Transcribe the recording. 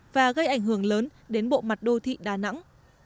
và gây ảnh hưởng lớn đến bộ mặt đô thị đà nẵng